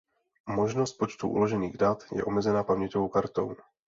Možnost počtu uložených dat je omezena paměťovou kartou.